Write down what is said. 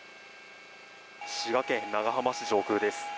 滋賀県長浜市上空です。